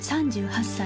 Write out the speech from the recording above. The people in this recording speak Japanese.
３８歳。